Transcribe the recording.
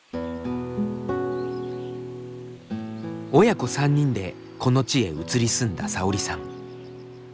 親子３人でこの地へ移り住んださおりさん。